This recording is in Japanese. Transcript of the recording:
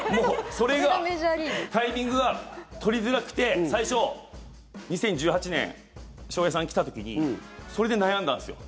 それがタイミング取りづらくて最初、２０１８年翔平さん来た時にそれで悩んだんですよ。